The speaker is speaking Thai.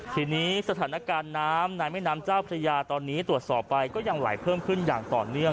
ทีนี้สถานการณ์น้ำในแม่น้ำเจ้าพระยาตอนนี้ตรวจสอบไปก็ยังไหลเพิ่มขึ้นอย่างต่อเนื่อง